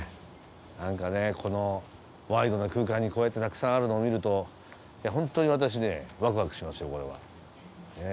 何かねこのワイドな空間にこうやってたくさんあるのを見るとホントに私ねワクワクしますよこれはね。